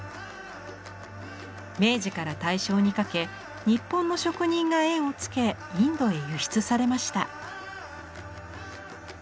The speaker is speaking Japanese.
明治から大正にかけ日本の職人が絵を付けインドへ輸出されました。